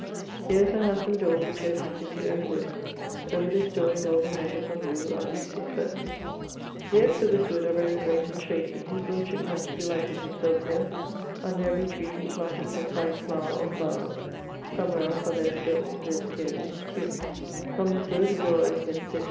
Here is a handsome dore, which opens into Oake wood; over this dore in golden letters on blew are these six verses. The oakes of this wood are very great and shadie. His lordship much delighted himselfe here: under every tree he planted some fine flower, or flowers, some wherof are there still (1656), viz. paeonies, tulips,.... From this wood a dore opens into